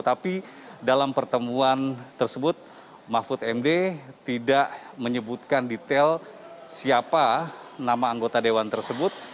tapi dalam pertemuan tersebut mahfud md tidak menyebutkan detail siapa nama anggota dewan tersebut